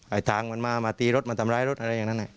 ทางมันมามาตีรถมาทำร้ายรถอะไรอย่างนั้น